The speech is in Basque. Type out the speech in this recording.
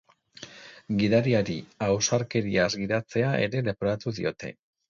Gidariari ausarkeriaz gidatzea ere leporatu diote.